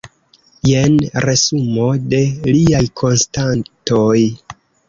Jen resumo de liaj konstatoj.